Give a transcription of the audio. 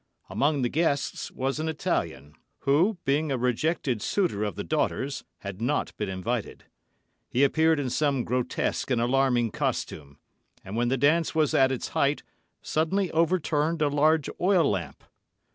Among the guests was an Italian, who, being a rejected suitor of the daughter's, had not been invited. He appeared in some grotesque and alarming costume, and when the dance was at its height suddenly overturned a large oil lamp.